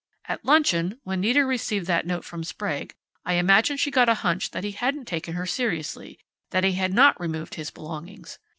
At luncheon, when Nita received that note from Sprague, I imagine she got a hunch that he hadn't taken her seriously, that he had not removed his belongings.